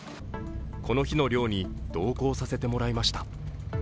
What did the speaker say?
この日の漁に同行させてもらいました。